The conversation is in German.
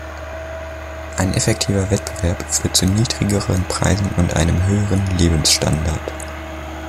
Ein effektiver Wettbewerb führt zu niedrigeren Preisen und einem höheren Lebensstandard.